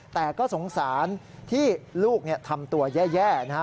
แต่ก็สงสารที่ลูกทำตัวแย่นะฮะ